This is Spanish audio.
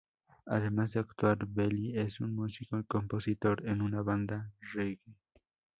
Además de actuar, Bell es un músico y compositor en una banda reggae.